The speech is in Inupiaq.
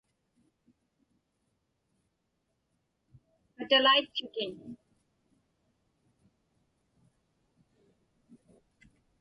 Katalaitchutin.